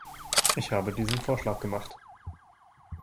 Ich habe diesen Vorschlag gemacht.